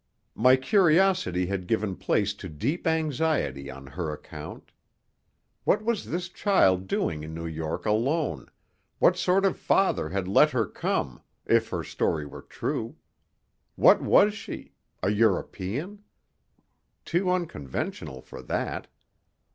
My curiosity had given place to deep anxiety on her account. What was this child doing in New York alone, what sort of father had let her come, if her story were true? What was she? A European? Too unconventional for that.